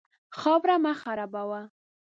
خاوره مه خرابوه.